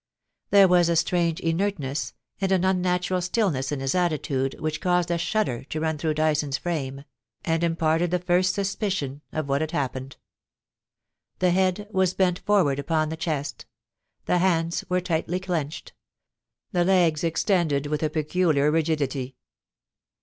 There was a strange inertness and an unnatural stillness in his attitude which caused a shudder to run through Dyson's frame, and imparted the first suspicion of what had happened. The head was bent fon^ ard upon the chest ; the hands were tightly clenched ; the legs extended with a peculiar rigidity.